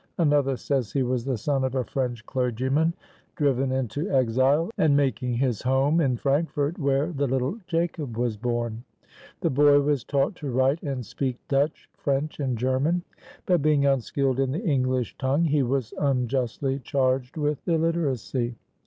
Another says: "He was the son of a French clergyman driven into exile, and making his home in Frankfort where the little Jacob was born. The boy was taught to write and speak Dutch, French, and German; but being unskilled in the English tongue he was unjustly charged with illiteracy."